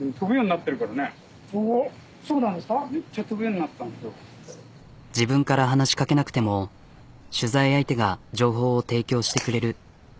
おっ自分から話しかけなくても取材相手が情報を提供してくれる。